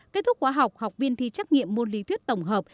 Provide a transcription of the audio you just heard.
kết thúc khóa học học viên thi trắc nghiệm môn lý thuyết tổng hợp